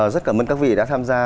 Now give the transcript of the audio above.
rất cảm ơn các vị đã tham gia